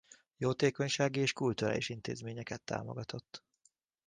Jótékonysági és kulturális intézményeket támogatott.